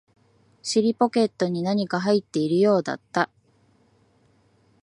尻ポケットに何か入っているようだった